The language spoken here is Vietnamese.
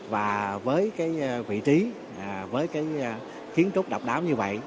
và với vị trí với kiến trúc độc đáo như vậy